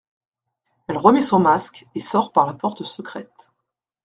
Elle remet son masque, et sort par la porte secrète .